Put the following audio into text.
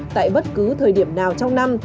tại bất cứ thời điểm nào trong năm